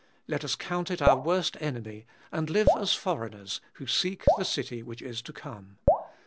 Let us count it our worst enemy, and live as foreigners, who seek the city which is to come.